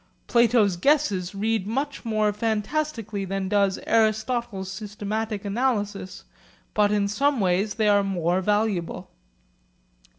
Plato's guesses read much more fantastically than does Aristotle's systematic analysis; but in some ways they are more valuable.